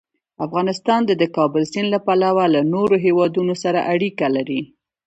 افغانستان د د کابل سیند له پلوه له نورو هېوادونو سره اړیکې لري.